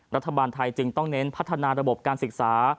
รัฐบาลไทยจึงต้องเน้นพัฒนาระบบการศึกษา